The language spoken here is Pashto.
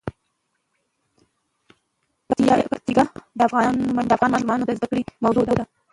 پکتیکا د افغان ماشومانو د زده کړې موضوع ده.